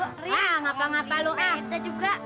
ah nggak apa apa lu ada juga